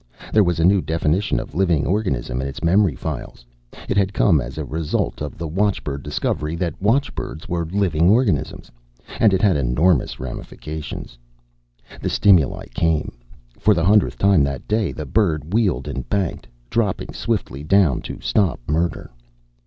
There was a new definition of living organism in its memory files. It had come as a result of the watchbird discovery that watchbirds were living organisms. And it had enormous ramifications. The stimuli came! For the hundredth time that day, the bird wheeled and banked, dropping swiftly down to stop murder.